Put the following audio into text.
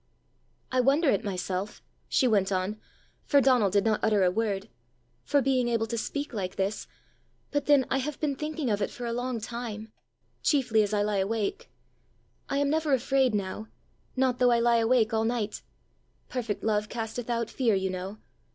I wonder at myself," she went on, for Donal did not utter a word, "for being able to speak like this; but then I have been thinking of it for a long time chiefly as I lie awake. I am never afraid now not though I lie awake all night: 'perfect love casteth out fear,' you know.